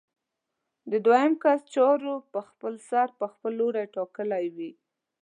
د دویم کس چارو په خپلسر خپل لوری ټاکلی وي.